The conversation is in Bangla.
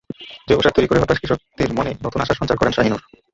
জৈব সার তৈরি করে হতাশ কৃষকদের মনে নতুন আশার সঞ্চার করেন শাহিনূর।